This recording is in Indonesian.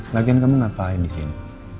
latihan kamu ngapain di sini